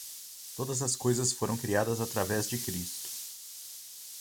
Todas as coisas foram criadas através de Cristo